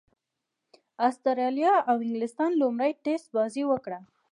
اسټراليا او انګليستان لومړۍ ټېسټ بازي وکړه.